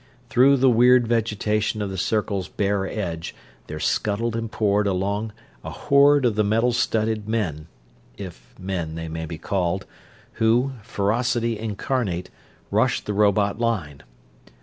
Through the weird vegetation of the circle's bare edge there scuttled and poured along a horde of the metal studded men if "men" they might be called who, ferocity incarnate, rushed the robot line.